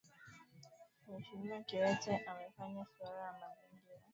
Mheshimiwa Kikwete amefanya suala la mazingira kuwa miongoni mwa mambo kumi muhimu